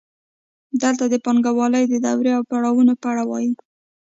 دلته د پانګوالۍ د دورو او پړاوونو په اړه وایو